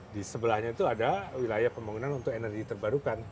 di sebelahnya itu ada wilayah pembangunan untuk energi terbarukan